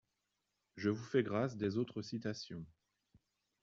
Je vous fais grâce des autres citations.